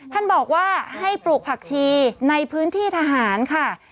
ท่านบอกว่าให้ปลูกผักชีในพื้นที่ทหารค่ะ